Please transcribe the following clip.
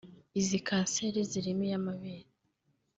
izi kanseri zirimo iy’amabere